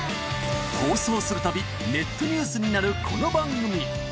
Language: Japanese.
放送するたび、ネットニュースになるこの番組。